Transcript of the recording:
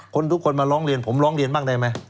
ทุกคนมาร้องเรียนผมร้องเรียนบ้างได้ไหม